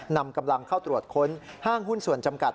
นำกำลังเข้าตรวจค้นห้างหุ้นส่วนจำกัด